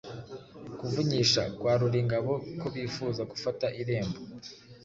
kuvunyisha kwa Ruringabo ko bifuza gufata irembo.